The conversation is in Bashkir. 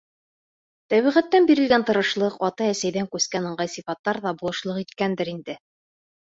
Тәбиғәттән бирелгән тырышлыҡ, атай-әсәйҙән күскән ыңғай сифаттар ҙа булышлыҡ иткәндер инде.